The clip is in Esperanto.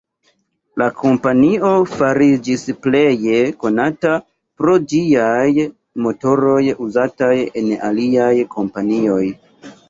La kompanio fariĝis pleje konata pro ĝiaj motoroj uzataj en aliaj kompanioj.